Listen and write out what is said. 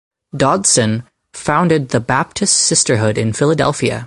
Dodson founded the Baptist Sisterhood in Philadelphia.